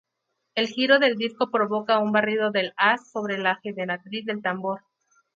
El giro del disco provoca un barrido del haz sobre la generatriz del tambor.